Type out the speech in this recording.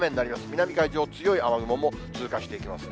南海上を強い雨雲も通過していきますね。